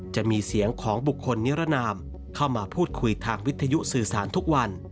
จะมีเสียงของบุคคลนิรนามเข้ามาพูดคุยทางวิทยุสื่อสารทุกวัน